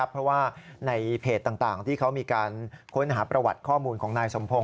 เพราะว่าในเพจต่างที่เขามีการค้นหาประวัติข้อมูลของนายสมพงศ